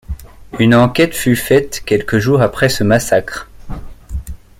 Une enquête fut faite quelque jour après ce massacre.